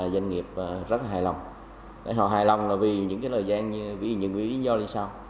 doanh nghiệp rất hài lòng họ hài lòng vì những lời gian những ý do đi sau